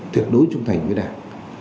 tuyệt đối trung thành với đảng